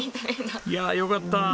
いやあよかった。